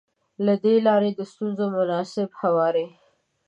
له دې لارې د ستونزو مناسب هواری.